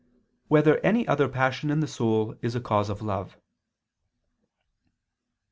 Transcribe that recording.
4] Whether Any Other Passion of the Soul Is a Cause of Love?